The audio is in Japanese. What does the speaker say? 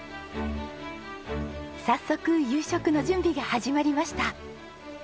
早速夕食の準備が始まりました。